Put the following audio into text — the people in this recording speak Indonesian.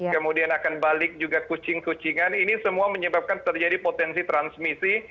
kemudian akan balik juga kucing kucingan ini semua menyebabkan terjadi potensi transmisi